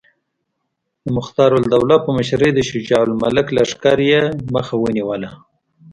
د مختارالدوله په مشرۍ د شجاع الملک لښکر یې مخه ونیوله.